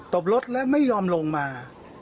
บรถและไม่ยอมลงมา